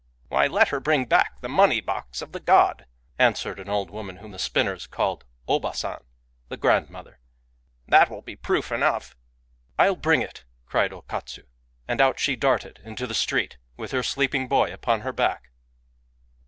"Why, let her bring back the money box of the god," answered an old woman whom the spinners called Obaa San, the Grandmother; "that will be proof enough "" I'll Digitized by Googk 'i THE LEGEND OF YUREI DAKI 5 bring it," cried O Katsu. And out she darted into the street, with her sleeping boy upon her back.